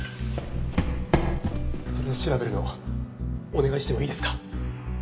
それ調べるのお願いしてもいいですか？